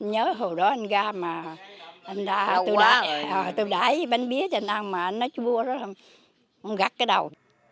nhớ hồi đó anh ra mà anh ra tôi đáy bánh bía cho anh ăn mà anh nói chú vua đó ông gắt cái đầu